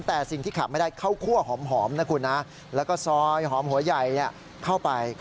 แต่สิ่งที่ขาดไม่ได้ข้าวคั่วหอมนะคุณนะแล้วก็ซอยหอมหัวใหญ่เข้าไป